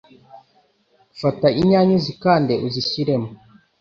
Fata inyanya uzikande uzishyiremo